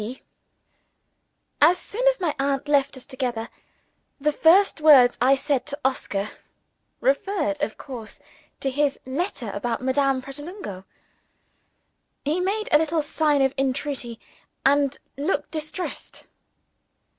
P.] As soon as my aunt left us together, the first words I said to Oscar, referred (of course) to his letter about Madame Pratolungo. He made a little sign of entreaty, and looked distressed.